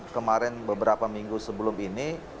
kemarin beberapa minggu sebelum ini